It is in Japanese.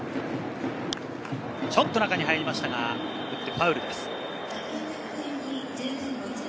ちょっと中に入りましたが、ファウルです。